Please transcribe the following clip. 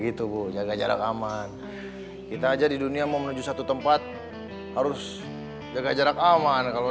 gitu bu jaga jarak aman kita aja di dunia mau menuju satu tempat harus jaga jarak aman kalau